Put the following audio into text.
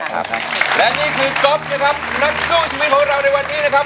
ครับและนี่คือก๊อฟนะครับนักสู้ชีวิตของเราในวันนี้นะครับ